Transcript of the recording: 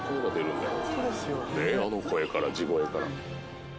ねえあの声から地声から。